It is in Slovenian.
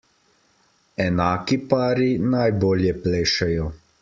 Enaki pari najbolje plešejo.